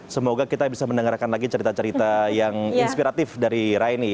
semoga kita bisa mendengarkan lagi cerita cerita yang inspiratif dari raini